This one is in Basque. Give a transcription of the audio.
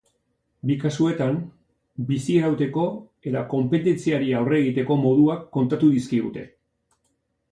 Bi kasuetan, bizirauteko eta konpetentziari aurre egiteko moduak kontatu dizkigute.